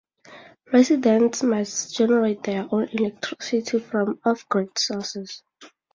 Residents must generate their own electricity from off-grid sources.